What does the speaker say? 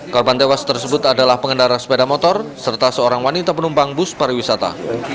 korban tewas tersebut adalah pengendara sepeda motor serta seorang wanita penumpang bus pariwisata